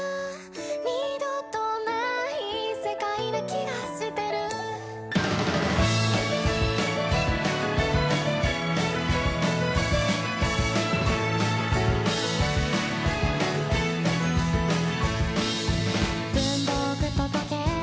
「二度とない世界な気がしてる」「文房具と時計